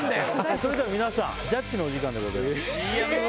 それでは皆さんジャッジのお時間でございます。